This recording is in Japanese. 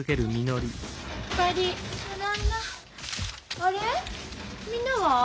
あれみんなは？